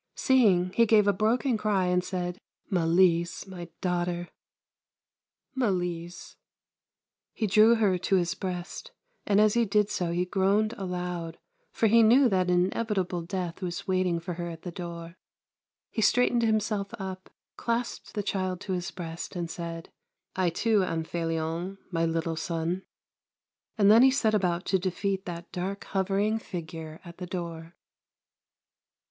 Seeing, he gave a broken cry and said :" Malise, my daughter ! Malise !" He drew her to his breast, and as he did so he groaned aloud, for he knew that inevitable Death was waiting for her at the door. He straightened himself up, clasped the child to his breast, and said :" I, too, am Felion, my little son." And then he set about to defeat that dark, hovering Figure at the door.